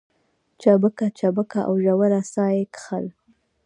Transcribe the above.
چابکه چابکه او ژوره ساه يې کښل.